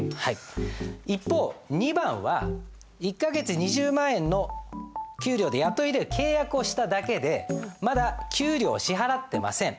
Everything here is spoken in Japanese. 一方２番は１か月２０万円の給料で雇い入れる契約をしただけでまだ給料を支払ってません。